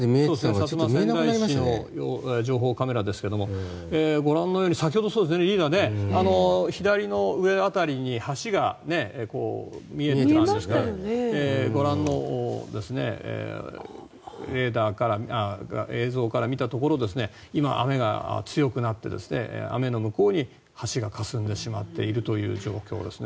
薩摩川内市の情報カメラですがご覧のようにリーダー、左の上辺りに橋が見えていたんですがご覧の、映像から見たところ今、雨が強くなって雨の向こうに橋がかすんでしまっているという状況ですね。